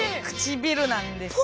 唇なんですよ。